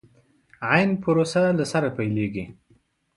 عين پروسه له سره پيلېږي.